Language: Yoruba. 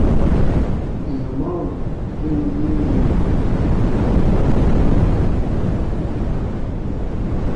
Èèyàn márún ún gbẹ́mì mì nínú ìkọlu náà.